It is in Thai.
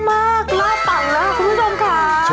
ก็นาบต่างแล้วคุณผู้ชมคะ